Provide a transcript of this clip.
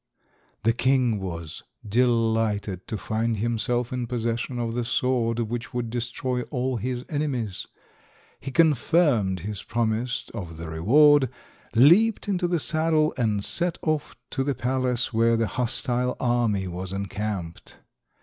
The king was delighted to find himself in possession of the sword which would destroy all his enemies. He confirmed his promise of the reward, leaped into the saddle, and set off to the place where the hostile army was encamped.